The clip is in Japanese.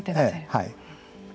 はい。